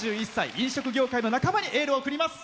飲食業界の仲間にエールを送ります。